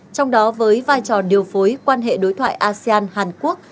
trong đó với vai trò điều phối quan hệ đối thoại asean hàn quốc